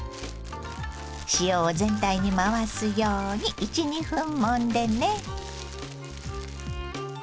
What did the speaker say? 塩を全体に回すように１２分もんでね。